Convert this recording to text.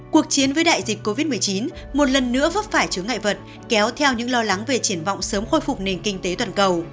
cuộc chiến với đại dịch covid một mươi chín một lần nữa vấp phải chứng ngại vật kéo theo những lo lắng về triển vọng sớm khôi phục nền kinh tế toàn cầu